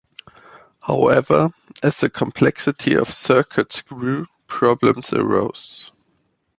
However, as the complexity of circuits grew, problems arose.